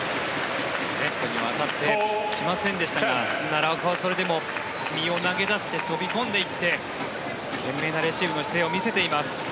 ネットに当たって来ませんでしたが奈良岡はそれでも身を投げ出して飛び込んでいって懸命なレシーブの姿勢を見せています。